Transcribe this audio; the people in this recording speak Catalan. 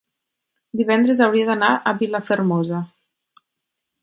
Divendres hauria d'anar a Vilafermosa.